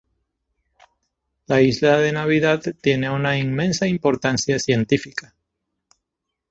La Isla de Navidad tiene una inmensa importancia científica.